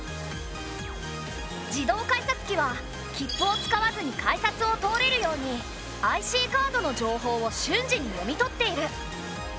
自動改札機は切符を使わずに改札を通れるようにＩＣカードの情報を瞬時に読み取っている。